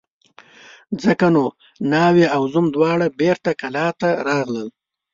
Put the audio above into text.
ځکه نو ناوې او زوم دواړه بېرته کلاه ته راغلل.